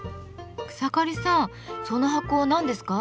草刈さんその箱何ですか？